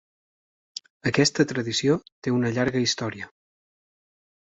Aquesta tradició té una llarga història.